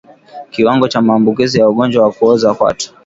Kiwango cha maambukizi ya ugonjwa wa kuoza kwato